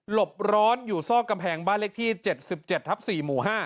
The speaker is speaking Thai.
บร้อนอยู่ซอกกำแพงบ้านเลขที่๗๗ทับ๔หมู่๕